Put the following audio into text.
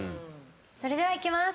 それではいきます。